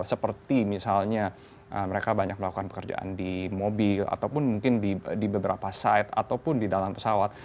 seperti misalnya mereka banyak melakukan pekerjaan di mobil ataupun mungkin di beberapa site ataupun di dalam pesawat